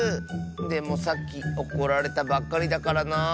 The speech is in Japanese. でもさっきおこられたばっかりだからなあ。